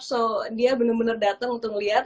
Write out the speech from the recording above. so dia bener bener dateng untuk ngeliat